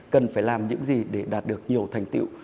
cần phải làm những gì để đạt được nhiều thành tiệu